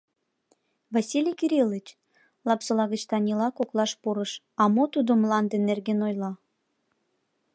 — Василий Кириллыч, — Лапсола гыч Танила коклаш пурыш, — а мо, тудо мланде нерген ойла.